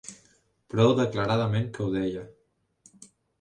Prou declaradament que ho deia.